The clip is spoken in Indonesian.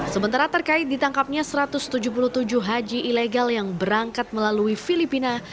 sementara terkait ditangkapnya satu ratus tujuh puluh tujuh haji ilegal yang berangkat melalui filipina